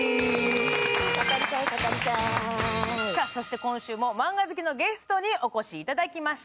今週もマンガ好きのゲストにお越しいただきました。